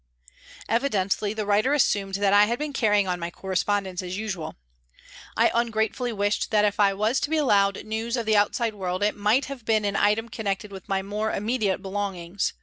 Evidently the writer assumed that I had been carrying on my correspondence as usual. I ungratefully wished that if I was to be allowed news of the outside world it might have been an item connected with my more immediate belongings.